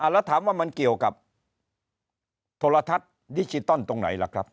แล้วถามว่ามันเกี่ยวกับโทรทัศน์ดิจิตอลตรงไหนล่ะครับ